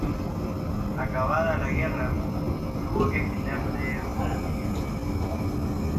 Acabada la guerra, tuvo que exiliarse en Francia.